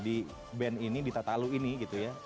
di band ini di tatalu ini gitu ya